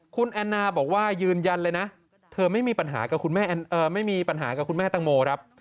คุณแอนนาบอกว่ายืนยันเลยนะเธอไม่มีปัญหากับคุณแม่ตังโมครับ